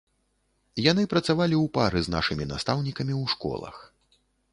Яны працавалі ў пары з нашымі настаўнікамі ў школах.